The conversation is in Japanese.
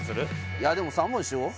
いやでも３本にしよう